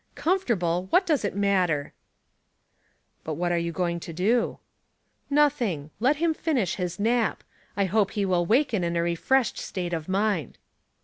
Com fortable ! What does it matter ?"'' But what are you going to do ?""• Nothing ; let him finish his nap. I hope he will waken in a refreshed state of mind."